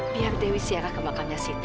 biar dewi ziarah ke makamnya sita